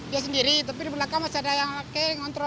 dia sendiri tapi di belakang masih ada yang pakai ngontrol